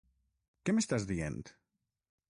Què m'estàs dient?